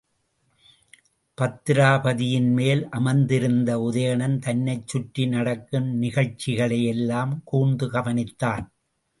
பத்திராபதியின்மேல் அமர்ந்திருந்த உதயணன் தன்னைச் சுற்றி நடக்கும் நிகழ்ச்சிகளையெல்லாம் கூர்ந்து கவனித்தான்.